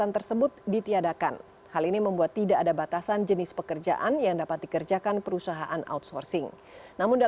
perusahaan penyedia yang dirumah di pasar otobuck